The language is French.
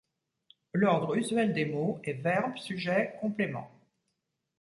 L'ordre usuel des mots est Verbe-Sujet-Complément.